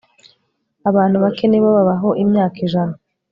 Abantu bake ni bo babaho imyaka ijana